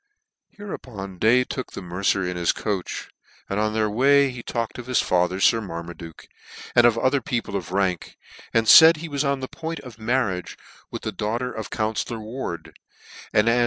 Hereupon Day took the mercer in his coach, and on their way he talked of his father Sir ivlar maduke, and of other people of rank ; and laid he was on the point of marriage with the daugh ter of counfcllor Ward, and as h?